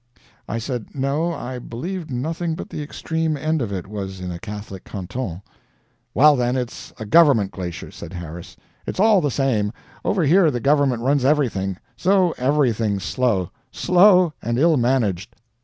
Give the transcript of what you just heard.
I said, no, I believed nothing but the extreme end of it was in a Catholic canton. "Well, then, it's a government glacier," said Harris. "It's all the same. Over here the government runs everything so everything's slow; slow, and ill managed.